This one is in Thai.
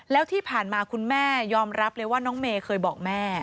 แล้วที่ผ่านมาคุณแม่ยอมรับเลยว่าน้องเมย์เคยบอกแม่